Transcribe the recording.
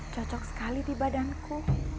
cocok sekali di badanku